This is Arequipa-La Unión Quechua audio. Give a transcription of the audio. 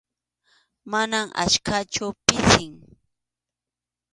Mana achkachu, pisim.